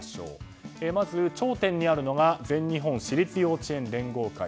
まず頂点にあるのが全日本私立幼稚園連合会。